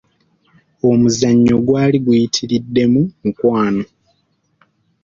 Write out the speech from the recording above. Omuzannyo gwali guyitiridde mu mukwano.